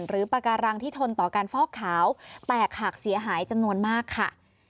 ปากการังที่ทนต่อการฟอกขาวแตกหักเสียหายจำนวนมากค่ะ